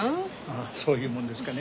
あそういうもんですかね。